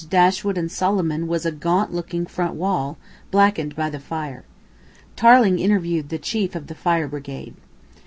Dashwood and Solomon was a gaunt looking front wall, blackened by the fire. Tarling interviewed the Chief of the Fire Brigade.